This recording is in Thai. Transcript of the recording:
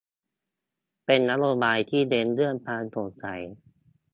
เป็นนโยบายที่เน้นเรื่องความโปร่งใส